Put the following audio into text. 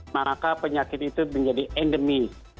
maka penyakit itu menjadi endemis